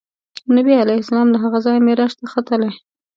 نبي علیه السلام له هغه ځایه معراج ته ختلی.